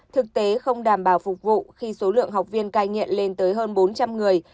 thực tế không đảm bảo phục vụ khi số lượng học viên cai nghiện lên tới hơn bốn trăm linh người